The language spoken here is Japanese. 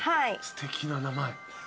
すてきな名前。